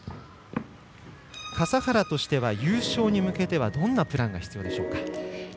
笠原としては優勝に向けてはどんなプランが必要でしょうか？